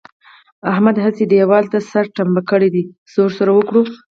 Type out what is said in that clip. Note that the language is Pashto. احمد هسې دېوال ته سر ټنبه کړی دی؛ څه ور سره وکړو؟!